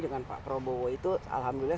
dengan pak prabowo itu alhamdulillah